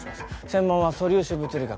専門は素粒子物理学。